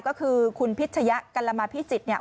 ก็คือคุณพิชยะกัลมาพิจิตรเนี่ย